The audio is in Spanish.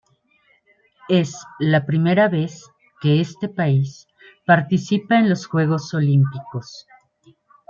Es la primera vez que este país participa en los Juegos Olímpicos.